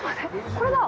これだ。